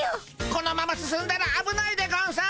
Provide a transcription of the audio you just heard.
このまま進んだらあぶないでゴンス。